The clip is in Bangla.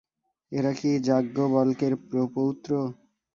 এরা কি যাজ্ঞবল্ক্যের প্রপৌত্র?